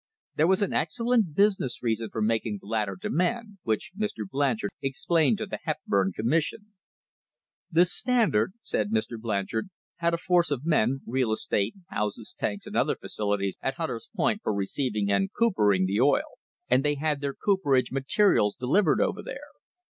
There was an excellent business reason for making that latter demand, which Mr. Blanchard ex plained to the Hepburn Commission : "The Standard," said Mr. Blanchard, "had a force of men, real estate, houses, tanks and other facilities at Hunter's Point for receiving and coopering the oil ; and they had their cooper age materials delivered over there.